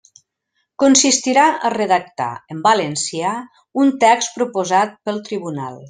Consistirà a redactar en valencià un text proposat pel tribunal.